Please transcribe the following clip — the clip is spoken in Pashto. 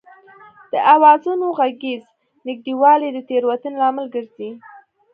د آوازونو غږیز نږدېوالی د تېروتنې لامل ګرځي